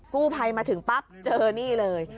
กู้ภัยมาถึงปั๊บเจอนี่เลย